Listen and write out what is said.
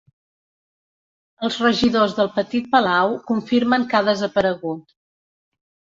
Els regidors del Petit Palau confirmen que ha desaparegut.